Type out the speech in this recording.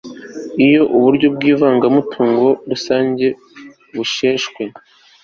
Iyo uburyo bw ivangamutungo rusange busheshwe